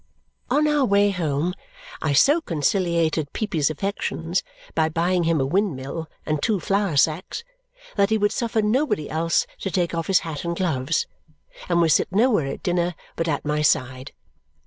On our way home, I so conciliated Peepy's affections by buying him a windmill and two flour sacks that he would suffer nobody else to take off his hat and gloves and would sit nowhere at dinner but at my side.